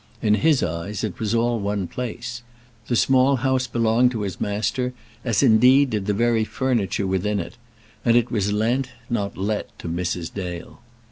In his eyes it was all one place. The Small House belonged to his master, as indeed did the very furniture within it; and it was lent, not let, to Mrs. Dale.